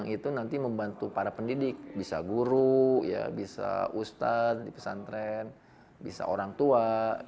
itu nanti membantu para pendidik bisa guru bisa ustadz pesantren bisa orang tua